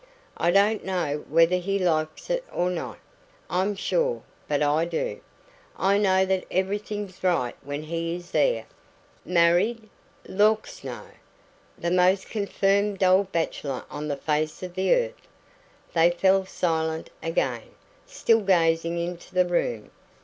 "I don't know whether he likes it or not, I'm sure, but I do. I know that everything's right when he is there." "Married?" "Lawks, no! The most confirmed old bachelor on the face of the earth." They fell silent again, still gazing into the room.